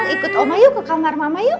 ikut oma yuk ke kamar mama yuk